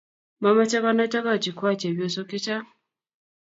Mamache konai tokochik kwai chepyosok chechang